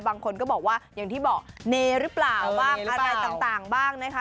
บางคนก็บอกว่าอย่างที่บอกเนหรือเปล่าบ้างอะไรต่างบ้างนะคะ